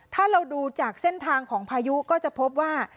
ถ้าเราดูจากเส้นทางของพายุก็จะพบว่า